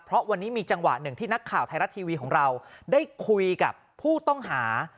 เพราะวันนี้มีจังหวะหนึ่งที่นักข่าวไทยรัฐทีวีของเราได้คุยกับผู้ต้องหา